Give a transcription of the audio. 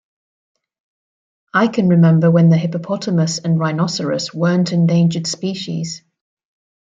I can remember when the hippopotamus and rhinoceros weren't endangered species.